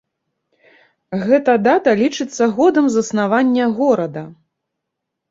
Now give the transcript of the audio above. Гэта дата лічыцца годам заснавання горада.